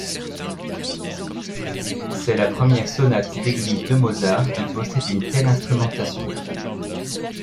C'est la première sonate d'église de Mozart qui possède une telle instrumentation.